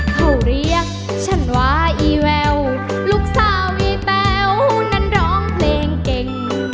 เขาเรียกฉันว่าอีแววลูกสาวอีแป๋วนั้นร้องเพลงเก่ง